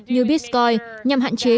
như bitcoin nhằm hạn chế